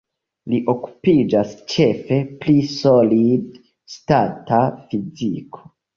Li okupiĝas ĉefe pri solid-stata fiziko.